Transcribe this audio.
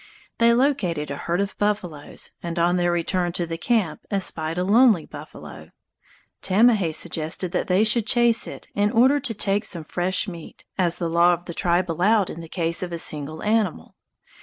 They located a herd of buffaloes, and on their return to the camp espied a lonely buffalo. Tamahay suggested that they should chase it in order to take some fresh meat, as the law of the tribe allowed in the case of a single animal.